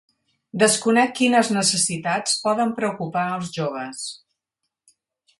Desconec quines necessitats poden preocupar els joves.